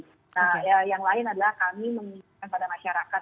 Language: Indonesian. nah yang lain adalah kami menginginkan pada masyarakat